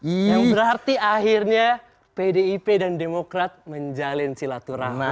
yang berarti akhirnya pdip dan demokrat menjalin silaturahmi